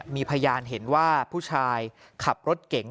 มีพยานเห็นว่าผู้ชายขับรถเก่ง